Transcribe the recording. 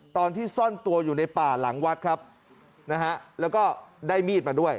ตอนที่ซ่อนตัวอยู่ในป่าหลังวัดครับนะฮะแล้วก็ได้มีดมาด้วย